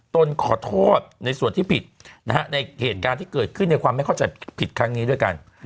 นขอโทษในส่วนที่ผิดนะฮะในเหตุการณ์ที่เกิดขึ้นในความไม่เข้าใจผิดครั้งนี้ด้วยกัน